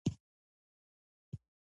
ژوند دوه قوانین لري دا حقیقت باید ومنل شي.